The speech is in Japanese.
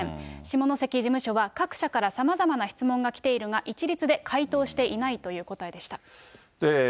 下関事務所は、各社からさまざまな質問が来ているが、一律で回答していないという答えでした。